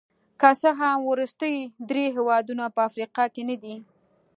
که څه هم وروستي درې هېوادونه په افریقا کې نه دي.